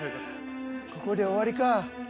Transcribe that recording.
ここで終わりか。